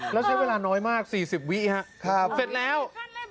แล้วใช้เวลาน้อยมาก๔๐วิครับเสร็จแล้ว